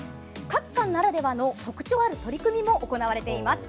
各館ならではの、特徴のある取り組みも行われています。